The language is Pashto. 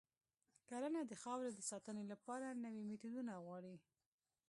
کرنه د خاورې د ساتنې لپاره نوي میتودونه غواړي.